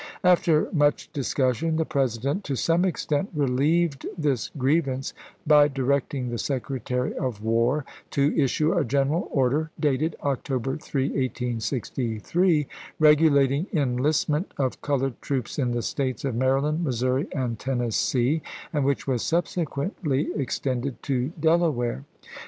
After much discussion the President to some extent relieved this grievance by directing the Secretary of War to issue a general order, dated October 3, 1863, regulating enlistment of colored troops in the States of Maryland, Missouri, and Tennessee, and which was subsequently ex tended to Delaware.